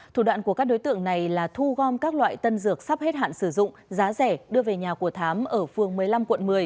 thủ đoạn của các đối tượng này là thu gom các loại tân dược sắp hết hạn sử dụng giá rẻ đưa về nhà của thám ở phường một mươi năm quận một mươi